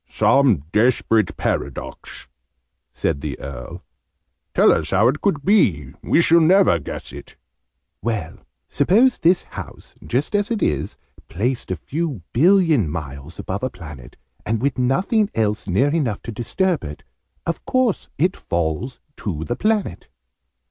"Some desperate paradox!" said the Earl. "Tell us how it could be. We shall never guess it." "Well, suppose this house, just as it is, placed a few billion miles above a planet, and with nothing else near enough to disturb it: of course it falls to the planet?"